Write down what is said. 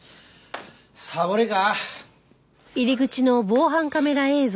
サボりか？